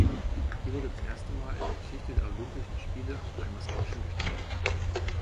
Hier wurde das erste Mal in der Geschichte der Olympischen Spiele ein Maskottchen gestaltet.